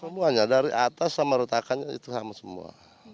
semuanya dari atas sama retakannya itu sama semua